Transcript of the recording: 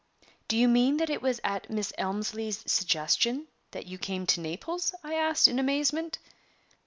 "Do you mean that it was at Miss Elmslie's suggestion that you came to Naples?" I asked, in amazement.